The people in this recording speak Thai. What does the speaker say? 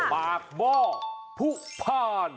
ปากหม้อผู้พาน